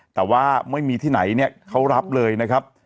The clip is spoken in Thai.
แต่ว่าไม่มีที่ไหนเนี่ยเขารับเลยนะครับ